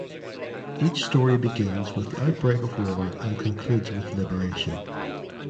Each story begins with the outbreak of war and concludes with liberation.